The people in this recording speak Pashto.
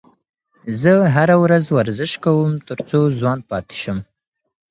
زه هره ورځ ورزش کوم تر څو ځوان پاتې شم.